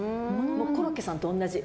コロッケさんと同じ。